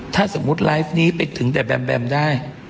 ถ้าสมมุติไลฟ์นี้ไปถึงแบมได้